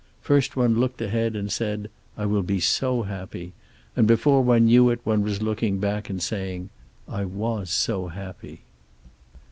First one looked ahead and said, "I will be so happy." And before one knew it one was looking back and saying: "I was so happy."